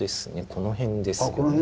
この辺ですね。